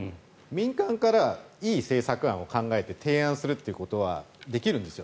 民間からいい政策案を考えて提案することはできるんですよ。